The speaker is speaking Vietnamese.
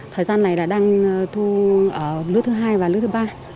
thời gian này đã đang thu ở lứa thứ hai và lứa thứ ba